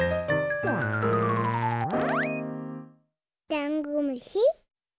ダンゴムシ。